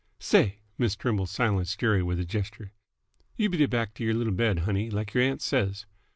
"Say!" Miss Trimble silenced Jerry with a gesture. "You beat 't back t' y'r little bed, honey, like y'r aunt says.